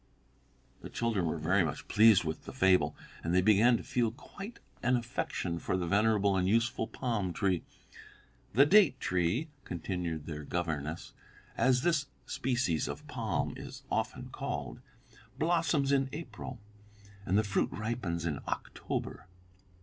"'" The children were very much pleased with the fable, and they began to feel quite an affection for the venerable and useful palm tree. "The date tree," continued their governess, "as this species of palm is often called, blossoms in April, and the fruit ripens in October.